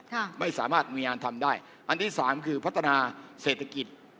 ค่ะไม่สามารถมีงานทำได้อันที่สามคือพัฒนาเศรษฐกิจ